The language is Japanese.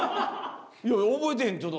いや覚えてへんちょっと。